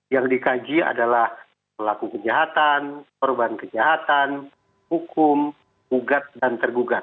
yang dikaji adalah pelaku kejahatan korban kejahatan hukum ugat dan tergugat